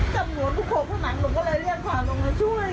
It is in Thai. จับหนูกลับถึงโผล่ผนังหนูก็เลือกช่าลงมาช่วย